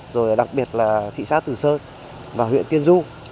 rồi đặc biệt là thị xã từ sơn và huyện tiên du